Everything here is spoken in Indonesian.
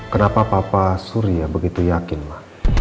kenapa papa surya begitu yakin ma